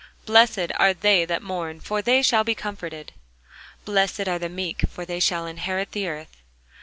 Blessed are they that mourn: for they shall be comforted. Blessed are the meek: for they shall inherit the earth.